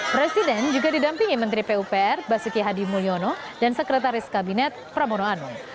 presiden juga didampingi menteri pupr basuki hadi mulyono dan sekretaris kabinet pramono anung